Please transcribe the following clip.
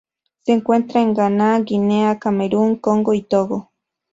Se encuentra en Ghana, Guinea, Camerún, Congo y Togo.